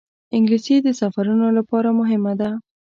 انګلیسي د سفرونو لپاره مهمه ده